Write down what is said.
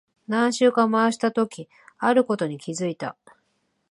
何周か回したとき、あることに気づいた。